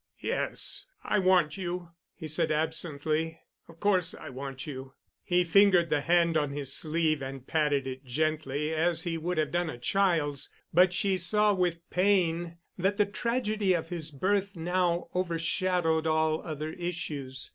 "Yes, I want you," he said absently. "Of course I want you." He fingered the hand on his sleeve and patted it gently, as he would have done a child's, but she saw with pain that the tragedy of his birth now overshadowed all other issues.